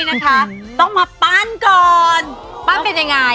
นะคะต้องมาปั้นก่อนปั้นเป็นยังไง